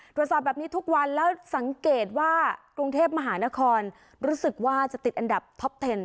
ตรวจสอบแบบนี้ทุกวันแล้วสังเกตว่ากรุงเทพมหานครรู้สึกว่าจะติดอันดับท็อปเทน